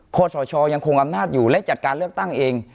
สชยังคงอำนาจอยู่และจัดการเลือกตั้งเอง